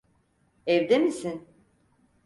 Evde misin?